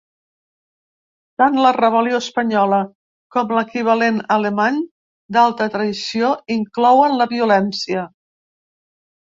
Tant la rebel·lió espanyola com l’equivalent alemany d’alta traïció inclouen la violència.